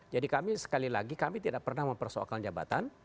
jadi kami sekali lagi kami tidak pernah mempersoalkan jabatan